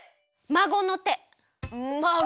まごの手。